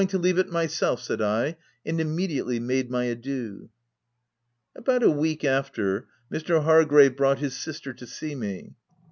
351 to leave it myself," said I, and immediately made my adieux. About a week after, Mr. Hargrave brought his sister to see me.